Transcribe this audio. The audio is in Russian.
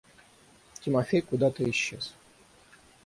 Тимофей куда-то исчез.